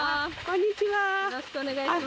よろしくお願いします。